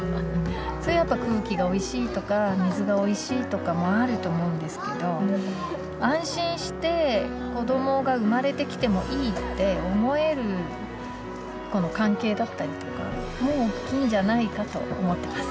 それはやっぱ空気がおいしいとか水がおいしいとかもあると思うんですけど「安心して子どもが生まれてきてもいい」って思えるこの関係だったりとかもおっきいんじゃないかと思ってます。